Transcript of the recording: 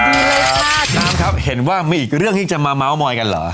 น้ำครับเห็นว่ามีอีกเรื่องที่จะมาเมาส์มอยกันเหรอ